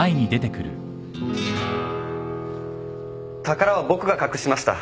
宝は僕が隠しました。